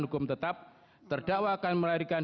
hukum tetap terdakwa akan melarikan